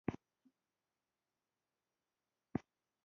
تمدن د خیال پر بنسټ ولاړ دی.